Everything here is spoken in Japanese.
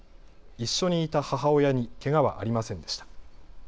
一緒にいた母親にけがはありませんでした。